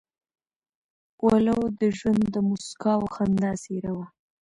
ولو د ژوند د موسکا او خندا څېره وه.